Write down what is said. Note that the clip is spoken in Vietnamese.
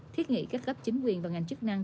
thiết nghị các gấp chính quyền và ngành chức năng